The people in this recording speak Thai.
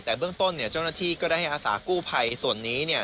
แต่เบื้องต้นเนี่ยเจ้าหน้าที่ก็ได้ให้อาสากู้ภัยส่วนนี้เนี่ย